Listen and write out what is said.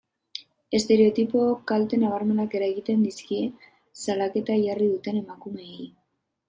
Estereotipook kalte nabarmenak eragiten dizkie salaketa jarri duten emakumeei.